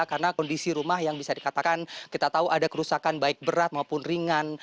karena kondisi rumah yang bisa dikatakan kita tahu ada kerusakan baik berat maupun ringan